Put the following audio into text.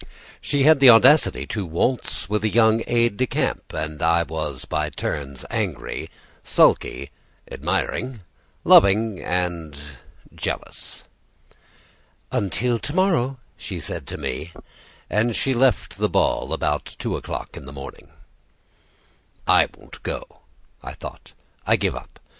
She had the audacity to waltz with a young aide de camp, and I was by turns angry, sulky, admiring, loving, and jealous. "Until to morrow," she said to me, as she left the ball about two o'clock in the morning. "I won't go," I thought. "I give up.